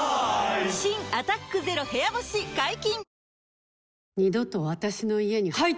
新「アタックＺＥＲＯ部屋干し」解禁‼